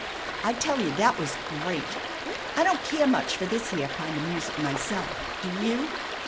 I tell you that was great. I don't care much for this here kind of music myself. Do you?"